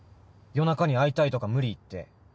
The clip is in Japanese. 夜中に会いたいとか無理言って。